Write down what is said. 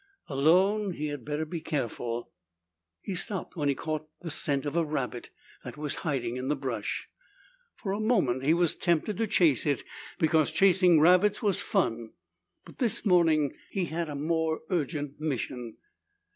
Alone, he had better be careful.... He stopped when he caught the scent of a rabbit that was hiding in the brush. For a moment he was tempted to chase it because chasing rabbits was fun. But this morning he had a more urgent mission.